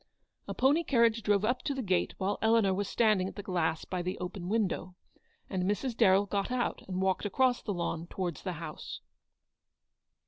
A pony carriage drove up to the gate while Eleanor was standing at the glass by the open window, and Mrs. Darrell got out and walked across the lawn towards the house.